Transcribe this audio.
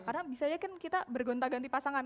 karena bisa aja kan kita bergonta ganti pasangan